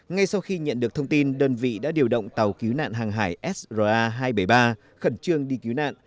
ngay sau khi nhận được thông tin đơn vị đã điều động tàu cứu nạn hàng hải sra hai trăm bảy mươi ba khẩn trương đi cứu nạn